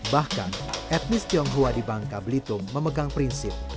bahkan etnis tionghoa di bangka belitung memegang prinsip